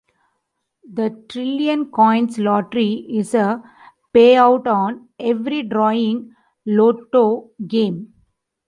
The Trillion Coins lottery is a pay-out-on-every-drawing lotto game.